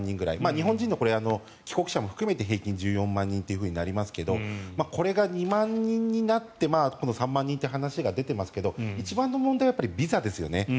日本人の帰国者も含めて平均１４万人となりますがこれが２万人になって３万人という話が出ていますが一番の問題はビザですよね。